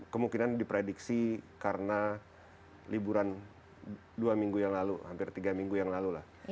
kemungkinan diprediksi karena liburan dua minggu yang lalu hampir tiga minggu yang lalu lah